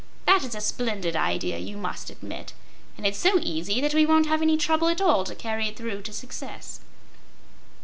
That is a splendid idea, you must admit, and it's so easy that we won't have any trouble at all to carry it through to success."